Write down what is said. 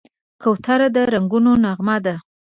کوتره د رنګونو نغمه ده.